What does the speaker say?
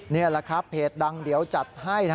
นี่แหละครับเพจดังเดี๋ยวจัดให้